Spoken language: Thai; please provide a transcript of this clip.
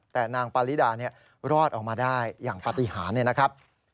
แต่นางปาริดารอดออกมาได้อย่างปฏิหารเนี่ยนะครับ